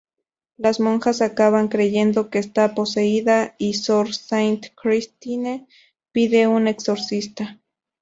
Las monjas acaban creyendo que está poseída, y sor Sainte-Christine pide un exorcista.